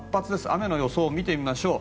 雨の予想を見てみましょう。